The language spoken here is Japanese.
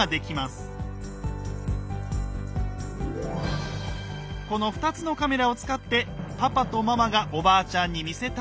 この２つのカメラを使ってパパとママがおばあちゃんに見せたいのが。